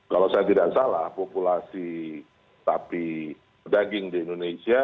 kalau saya tidak salah populasi sapi daging di indonesia